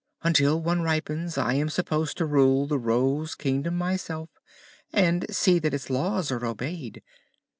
Until one ripens, I am supposed to rule the Rose Kingdom myself, and see that its Laws are obeyed.